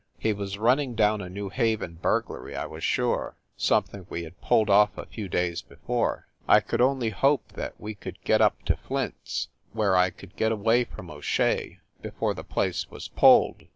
He was running down a New Haven burglary, I was sure something we had pulled off a few days before. I could only hope that we could get up to Flint s, where I could get away from O Shea before the place was pulled.